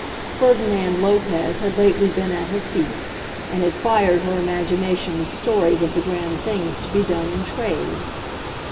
Ferdinand Lopez had lately been at her feet, and had fired her imagination with stories of the grand things to be done in trade.